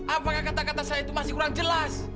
apakah kata kata saya itu masih kurang jelas